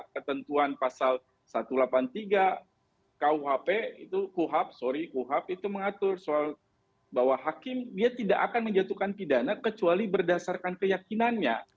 ketentuan pasal satu ratus delapan puluh tiga kuhp itu mengatur soal bahwa hakim dia tidak akan menjatuhkan pidana kecuali berdasarkan keyakinannya